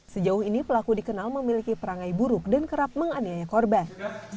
sejauh ini pelaku dikenal memiliki perangai buruk dan kerap menganiaya korban